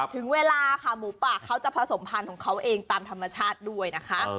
ถึงเวลาค่ะหมูป่าเขาจะผสมพันธุ์ของเขาเองตามธรรมชาติด้วยนะคะ